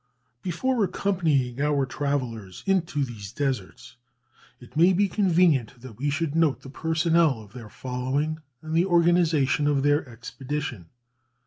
Before accompanying our travellers into these deserts, it may be convenient that we should note the personnel of their following, and the organization of their expedition.